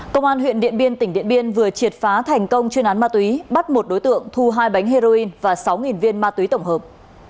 công an huyện điện biên tỉnh điện biên vừa triệt phá thành công chuyên án ma túy bắt một đối tượng thu hai bánh heroin và sáu viên ma túy tổng hợp